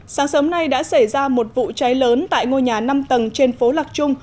sáng sớm nay đã xảy ra một vụ cháy lớn tại ngôi nhà năm tầng trên phố lạc trung